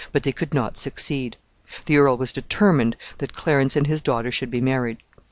But they could not succeed. The earl was determined that Clarence and his daughter should be married.